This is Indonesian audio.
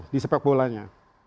di sepak bolanya